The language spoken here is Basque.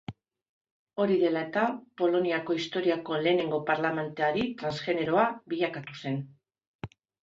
Hori dela eta, Poloniako historiako lehenengo parlamentari transgeneroa bilakatu zen.